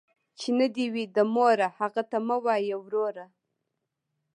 ـ چې نه دې وي، د موره هغه ته مه وايه وروره.